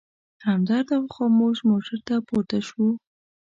همدرد او خاموش موټر ته پورته شوو.